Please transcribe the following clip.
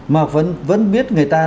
mà vẫn biết người ta